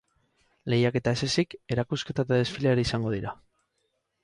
Lehiaketa ez ezik, erakusketa eta desfilea ere izango dira.